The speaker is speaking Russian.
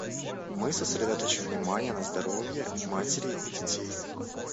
Мы сосредоточим внимание на здоровье матерей и детей.